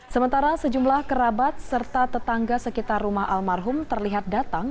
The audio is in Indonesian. sementara sejumlah kerabat serta tetangga sekitar rumah almarhum terlihat datang